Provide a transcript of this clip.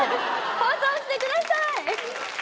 放送してください。